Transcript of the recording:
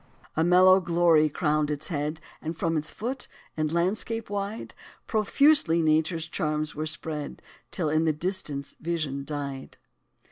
A mellow glory crowned its head; And from its foot, in landscape wide, Profusely nature's charms were spread, Till in the distance vision died.